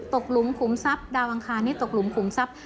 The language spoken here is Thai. หลุมขุมทรัพย์ดาวอังคารนี้ตกหลุมขุมทรัพย์